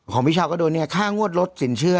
พี่เช้าก็โดนเนี่ยค่างวดลดสินเชื่อ